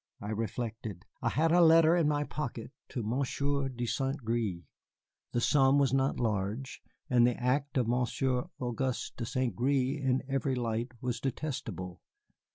I reflected. I had a letter in my pocket to Monsieur de Saint Gré, the sum was not large, and the act of Monsieur Auguste de Saint Gré in every light was detestable.